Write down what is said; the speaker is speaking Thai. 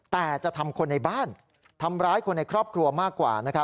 แต่จะทำคนในบ้านทำร้ายคนในครอบครัวมากกว่า